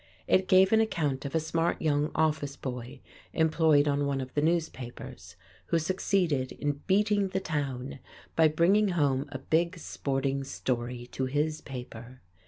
It gave an account of a smart young office boy employed on one of the newspapers, who succeeded in "beating the town" by bringing home a big, sporting story to his paper.